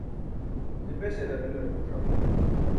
je beśalar elar ẓuc̣am